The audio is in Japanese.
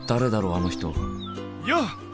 あの人よう！